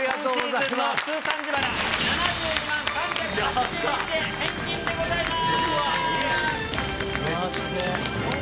通算自腹、７２万３８１円、返金でございます！